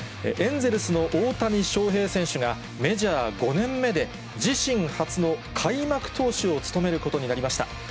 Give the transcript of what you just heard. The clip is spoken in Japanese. エンゼルスの大谷翔平選手が、メジャー５年目で、自身初の開幕投手を務めることになりました。